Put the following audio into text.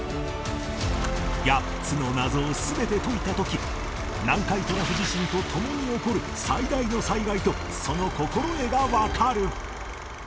８つの謎を全て解いた時南海トラフ地震と共に起こる最大の災害とその心得がわかる